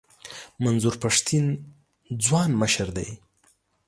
منظور پښتین ځوان مشر دی.